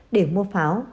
để mua pháo